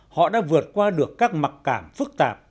họ đã vượt qua được các mặt cảng phức tạp